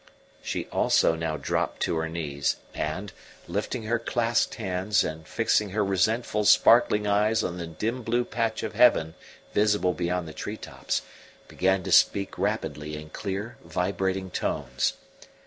She also now dropped on to her knees and, lifting her clasped hands and fixing her resentful sparkling eyes on the dim blue patch of heaven visible beyond the treetops, began to speak rapidly in clear, vibrating tones.